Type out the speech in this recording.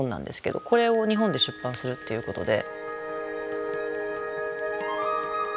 これを日本で出版するっていうことで。